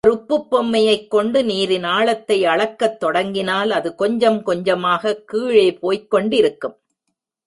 ஒர் உப்புப் பொம்மையைக் கொண்டு நீரின் ஆழத்தை அளக்கத் தொடங்கினால் அது கொஞ்சம் கொஞ்சமாகக் கீழே போய்க்கொண்டிருக்கும்.